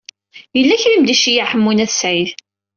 Yella kra i m-d-iceyyeɛ Ḥemmu n At Sɛid.